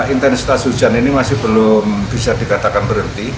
intensitas hujan ini masih belum bisa dikatakan berhenti